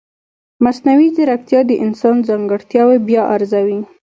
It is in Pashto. مصنوعي ځیرکتیا د انسان ځانګړتیاوې بیا ارزوي.